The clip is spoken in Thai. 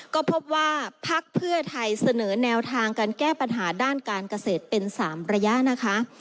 ก็พบว่าพักเพื่อไทยเสนอแนวทางการแก้ปัญหาด้านการเกษตรเป็น๓ระยะนะคะ